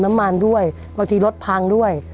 น้ำมันด้วยบางทีรถพังด้วย